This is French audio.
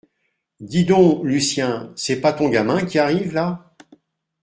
Dis donc, Lucien, c’est pas ton gamin qui arrive là ?